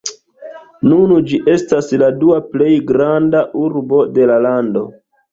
Nun ĝi estas la dua plej granda urbo de la lando.